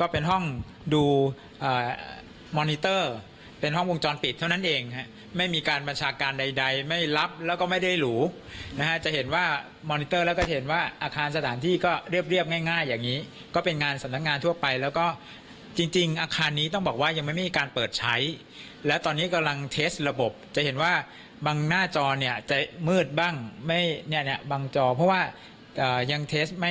ก็เป็นห้องดูอ่ามอนิเตอร์เป็นห้องวงจรปิดเท่านั้นเองฮะไม่มีการบรรชาการใดใดไม่รับแล้วก็ไม่ได้หรูนะฮะจะเห็นว่ามอนิเตอร์แล้วก็จะเห็นว่าอาคารสถานที่ก็เรียบเรียบง่ายง่ายอย่างงี้ก็เป็นงานสนับงานทั่วไปแล้วก็จริงจริงอาคารนี้ต้องบอกว่ายังไม่มีการเปิดใช้แล้วตอนนี้กำลังเทสระบบจะเห็นว่าบางหน